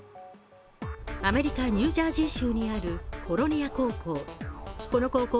アメリカニュージャージー州にあるコロニア高校。